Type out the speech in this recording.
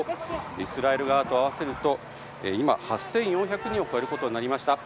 イスラエル側と合わせると８４００人を超えることになりました。